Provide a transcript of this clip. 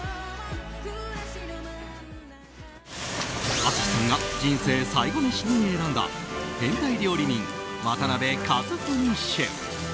淳さんが人生最後メシに選んだ変態料理人、渡辺一史シェフ。